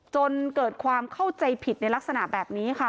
จนเกิดความเข้าใจผิดในลักษณะแบบนี้ค่ะ